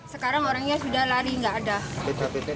sekarang orangnya sudah lari nggak ada